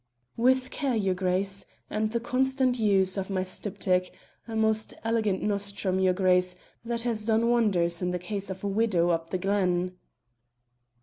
"With care, your Grace; and the constant use of my styptic, a most elegant nostrum, your Grace, that has done wonders in the case of a widow up the glen."